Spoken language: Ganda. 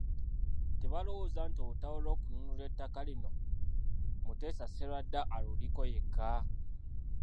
Tebalowooza nti olutalo lw'okununula ettaka lino, Muteesa Sserwadda aluliko yekka.